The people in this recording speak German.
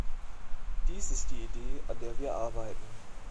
Dies ist die Idee, an der wir arbeiten.